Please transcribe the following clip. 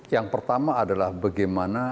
yang pertama adalah bagaimana